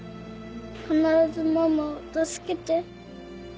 必ずママを助けて。